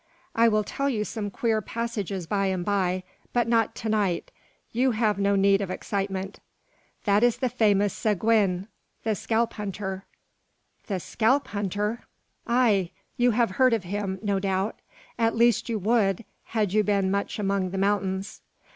I will tell you some queer passages by and by, but not to night. You have no need of excitement. That is the famous Seguin the Scalp hunter." "The Scalp hunter!" "Ay! you have heard of him, no doubt; at least you would, had you been much among the mountains."